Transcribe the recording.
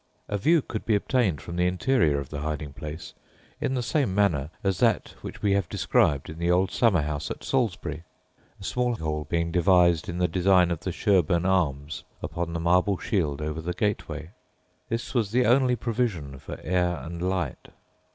A view could be obtained from the interior of the hiding place, in the same manner as that which we have described in the old summer house at Salisbury; a small hole being devised in the design of the Sherburn arms upon the marble shield over the gateway. This was the only provision for air and light.